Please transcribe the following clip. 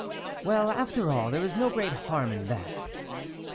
" Well, after all, there is no great harm in that."